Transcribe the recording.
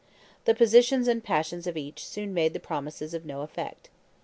The positions and passions of each soon made the promises of no effect.